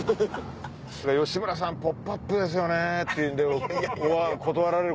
「吉村さん『ポップＵＰ！』ですよね」って断られる。